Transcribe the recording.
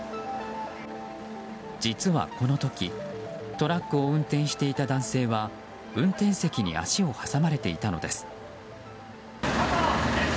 実はこの時トラックを運転していた男性は運転席に足を挟まれていたのです。